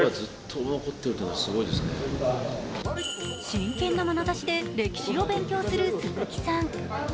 真剣なまなざしで歴史を勉強する鈴木さん。